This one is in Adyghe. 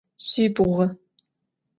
Şsibğu.